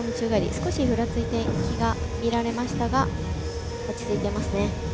少し、ふらついてる感じが見られましたが落ち着いていますね。